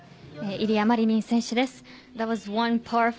イリア・マリニン選手です。